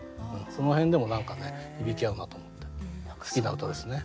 その辺でも何かね響き合うなと思って好きな歌ですね。